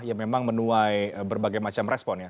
ya memang menuai berbagai macam respon ya